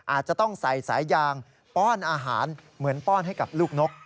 อาจจะต้องใส่สายยางป้อนอาหารเหมือนป้อนให้กับลูกนก